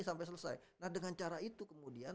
sampai selesai nah dengan cara itu kemudian